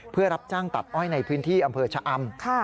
เพื่อรับจ้างตัดอ้อยในพื้นที่อำเภอชะอำ